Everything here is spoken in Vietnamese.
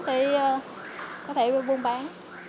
thì có thể vô bán